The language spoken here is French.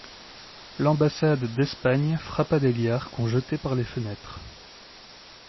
L'ambassade d'Espagne frappa des liards qu'on jetait par les fenêtres.